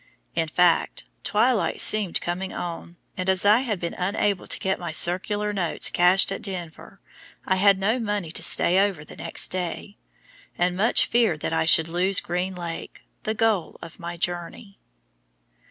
In fact, twilight seemed coming on, and as I had been unable to get my circular notes cashed at Denver, I had no money to stay over the next day, and much feared that I should lose Green Lake, the goal of my journey.